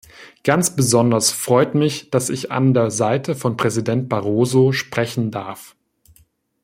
Ganz besonders freut mich, dass ich an der Seite von Präsident Barroso sprechen darf.